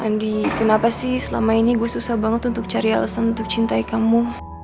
andi kenapa sih selama ini gue susah banget untuk cari alasan untuk cintai kamu